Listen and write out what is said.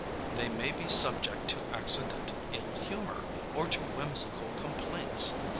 They may be subject to accidental ill humor, or to whimsical complaints.